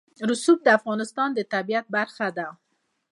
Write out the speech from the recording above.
رسوب د افغانستان د طبیعت برخه ده.